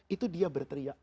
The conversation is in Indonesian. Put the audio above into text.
itu dia berteriak